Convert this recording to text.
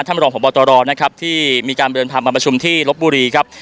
ท่านมรองของบอตรอนะครับที่มีการบริเวณผ่านมาประชุมที่ลบบุรีครับ